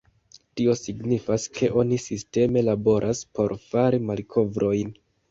Tio signifas ke oni sisteme laboras por fari malkovrojn.